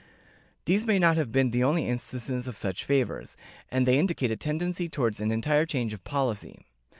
These may not have been the only instances of such favors, and they indicate a tendency towards an entire change of policy.